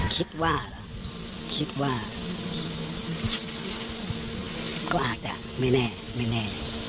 คิดว่าเหรอคิดว่าก็อาจจะไม่แน่ไม่แน่